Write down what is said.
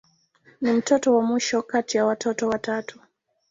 Ni mtoto wa mwisho kati ya watoto watatu.